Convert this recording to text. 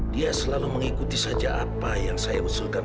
dia selalu mengikuti saja apa yang saya usulkan